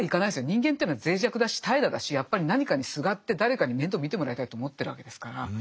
人間っていうのは脆弱だし怠惰だしやっぱり何かにすがって誰かに面倒を見てもらいたいと思ってるわけですから。